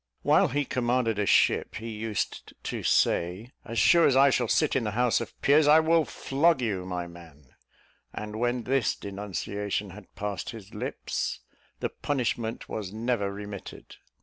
While he commanded a ship, he used to say, "As sure as I shall sit in the House of Peers, I will flog you, my man;" and when this denunciation had passed his lips, the punishment was never remitted.